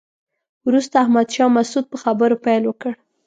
وروسته احمد شاه مسعود په خبرو پیل وکړ.